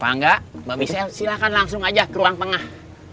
pak angga mbak bisse silakan langsung aja ke ruang tengah